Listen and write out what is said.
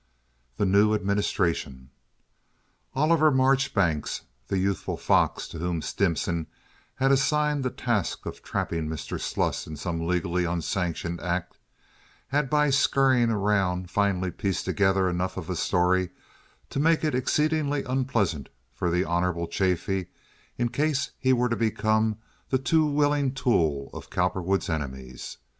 The New Administration Oliver Marchbanks, the youthful fox to whom Stimson had assigned the task of trapping Mr. Sluss in some legally unsanctioned act, had by scurrying about finally pieced together enough of a story to make it exceedingly unpleasant for the Honorable Chaffee in case he were to become the too willing tool of Cowperwood's enemies.